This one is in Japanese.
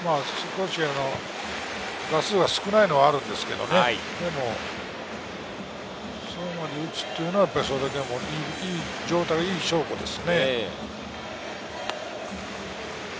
打数が少ないのはあるんですけれど、でも３割打つというのは、それだけ状態がいい証拠です。